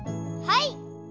はい！